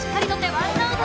ワンナウト！